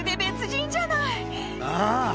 ああ。